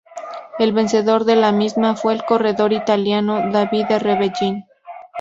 El vencedor de la misma fue el corredor italiano Davide Rebellin.